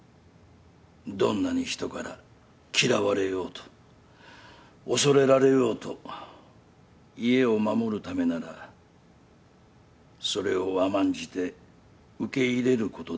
どんなに人から嫌われようと恐れられようと家を守るためならそれを甘んじて受け入れることだ。